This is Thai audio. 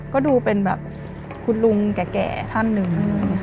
ก็ดูเป็นแบบคุณลุงแก่ท่านหนึ่ง